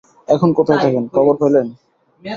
এখন কোথায় থাকেন, খবর পাইলেন?